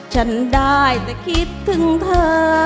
ฉันได้แต่คิดถึงเธอ